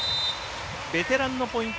ベテランのポイント